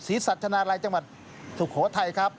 สัชนาลัยจังหวัดสุโขทัยครับ